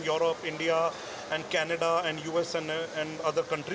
termasuk eropa india canada amerika serikat